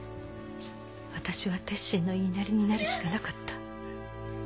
私は鉄心の言いなりになるしかなかった。